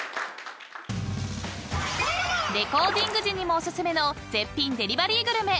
［レコーディング時にもお薦めの絶品デリバリーグルメ］